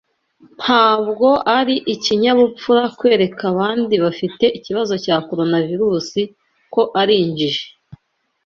Ntabwo ari ikinyabupfura kwereka abandi bafite ikibazo cya Coronavirus ko ari injiji.